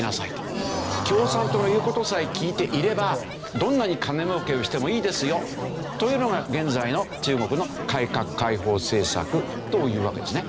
共産党の言う事さえ聞いていればどんなに金儲けをしてもいいですよというのが現在の中国の改革開放政策というわけですね。